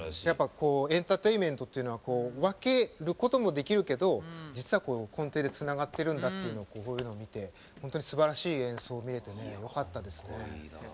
エンターテインメントは分けることもできるけど実は、根底でつながっているんだっていうのをこういうのを見て本当にすばらしい演奏を見れてよかったですね。